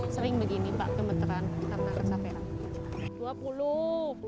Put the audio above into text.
sering begini pak gemeteran karena kecapean